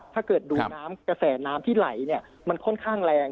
ถ้าเกิดดูน้ำกระแสน้ำที่ไหลมันค่อนข้างแรง